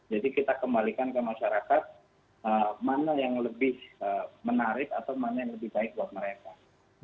jadi kita kembalikan ke masyarakat mana yang lebih menarik atau mana yang lebih baik buat mereka